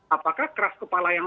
apakah keras kepala yang